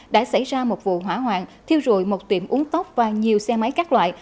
đã xảy ra một vụ hỏa hoạn thiêu rụi một tiệm uống tốc và nhiều xe máy các loại